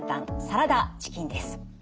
サラダチキンです。